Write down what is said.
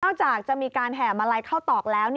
นอกจากจะมีการแห่มะไรเข้าตอกแล้ว